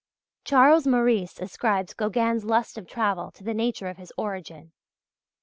Charles Morice ascribes Gauguin's lust of travel to the nature of his origin.